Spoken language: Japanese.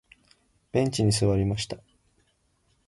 ベンチに座りました。